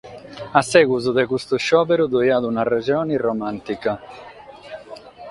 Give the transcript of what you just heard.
A segus de custu sèberu ddo’at una resone romàntica.